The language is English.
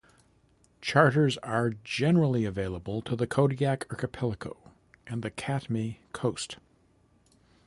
Charters are generally available to the Kodiak archipelago and Katmai coast.